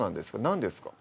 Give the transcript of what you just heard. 何ですか？